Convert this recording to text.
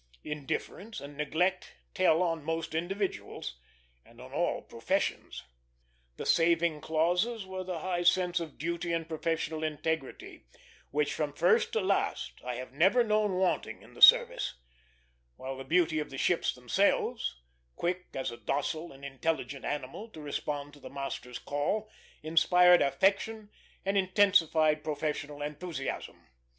Indifference and neglect tell on most individuals, and on all professions. The saving clauses were the high sense of duty and of professional integrity, which from first to last I have never known wanting in the service; while the beauty of the ships themselves, quick as a docile and intelligent animal to respond to the master's call, inspired affection and intensified professional enthusiasm.